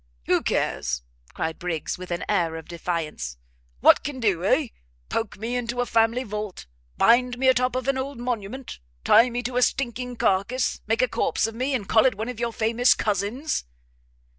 "Who cares?" cried Briggs, with an air of defiance, "what can do, eh? poke me into a family vault? bind me o' top of an old monument? tie me to a stinking carcase? make a corpse of me, and call it one of your famous cousins?